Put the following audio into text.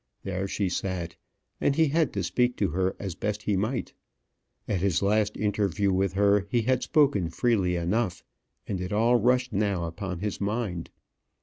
There she sat, and he had to speak to her as best he might. At his last interview with her he had spoken freely enough, and it all rushed now upon his mind.